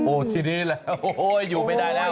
โอ้ทีนี้แหละโอ้โหอยู่ไม่ได้แล้ว